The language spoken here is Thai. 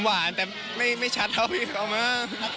ผมหวานแต่ไม่ชัดเท่าพี่เขามาก